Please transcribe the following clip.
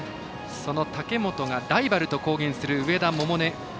その武本がライバルと公言する上田百寧。